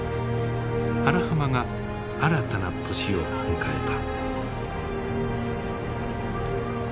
荒浜が新たな年を迎えた。